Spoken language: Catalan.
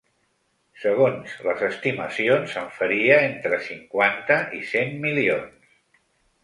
Segons les estimacions, en faria entre cinquanta i cent milions.